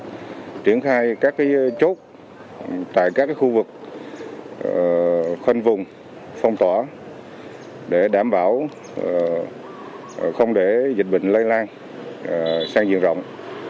chúng tôi triển khai các chốt tại các khu vực khoanh vùng phong tỏa để đảm bảo không để dịch bệnh lây lan sang diện rộng